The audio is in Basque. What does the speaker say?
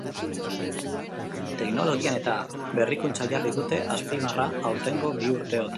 Teknologian eta berrikuntza jarri dute azpimarra aurtengo biurtekoan.